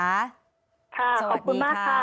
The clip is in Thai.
ขอบคุณมากค่ะ